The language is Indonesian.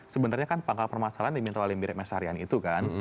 sebenarnya kan pangkal permasalahan diminta oleh mirek mesarian itu kan